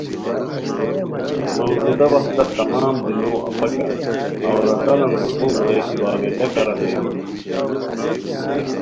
موجودہ وختہ تمام دنیو اپاکہ عوراتانان حقوق رے ای واویلہ کارہ دویان